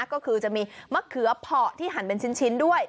ก็คือจะมีมะเขือเพาะที่หั่นเป็นชิ้นด้วย